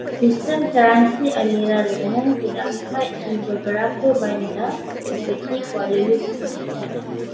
Sistem transit aliran ringan terdapat di beberapa bandar, seperti Kuala Lumpur.